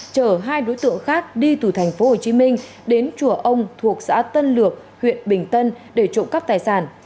chở hai đối tượng khác đi từ tp hcm đến chùa ông thuộc xã tân lược huyện bình tân để trộm cắp tài sản